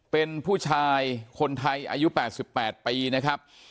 เป็นผู้ชายคนไทยอายุ๘๘ปีนะครับ